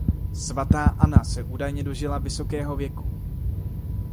Svatá Anna se údajně dožila vysokého věku.